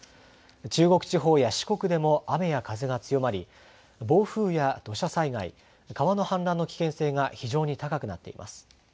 中国地方や四国でも雨や風が強まり、暴風や土砂災害、川の氾濫の危険性が非常に高くなっています。